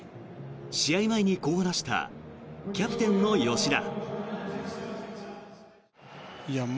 試合前にこう話したキャプテンの吉田。